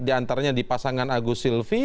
di antaranya di pasangan agus silvi